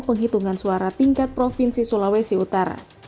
penghitungan suara tingkat provinsi sulawesi utara